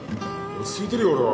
落ち着いてるよ俺は。